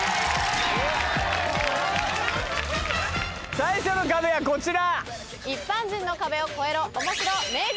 最初の壁はこちら！